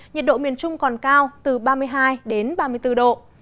nhiệt độ miền trung còn cao từ ba mươi hai đến ba mươi bốn độ